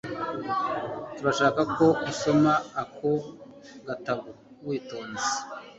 Turashaka ko usoma ako gatabo witonze